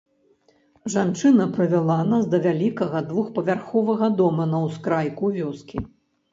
Жанчына прывяла нас да вялікага двухпавярховага дома на ўскрайку вёскі.